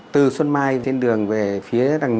từ xuân mai trên đường về phía đằng nhỏ